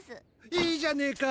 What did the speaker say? いいじゃねェか！